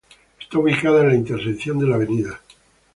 Está ubicada en la intersección de la Av.